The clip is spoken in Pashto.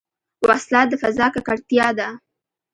وسله د فضا ککړتیا ده